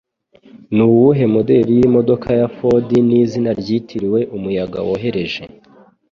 Nuwuhe Moderi Yimodoka ya Ford Nizina Ryitiriwe Umuyaga woroheje